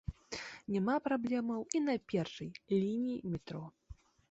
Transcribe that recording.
Няма праблемаў і на першай лініі метро.